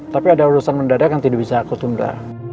tapi ada urusan mendadak yang tidak bisa aku tunda